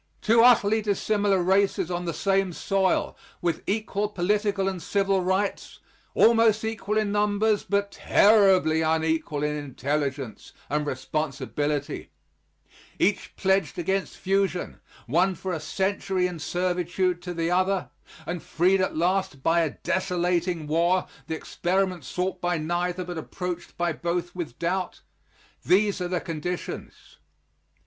Two utterly dissimilar races on the same soil with equal political and civil rights almost equal in numbers, but terribly unequal in intelligence and responsibility each pledged against fusion one for a century in servitude to the other, and freed at last by a desolating war, the experiment sought by neither but approached by both with doubt these are the conditions.